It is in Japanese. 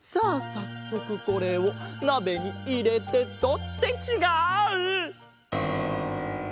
さっそくこれをなべにいれてと。ってちがう！